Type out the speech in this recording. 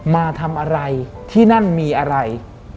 มาทำอะไรที่นั่นมีอะไร